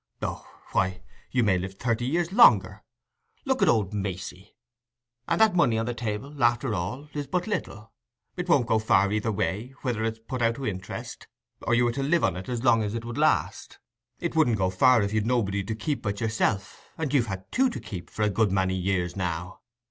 "Oh, why, you may live thirty years longer—look at old Macey! And that money on the table, after all, is but little. It won't go far either way—whether it's put out to interest, or you were to live on it as long as it would last: it wouldn't go far if you'd nobody to keep but yourself, and you've had two to keep for a good many years now."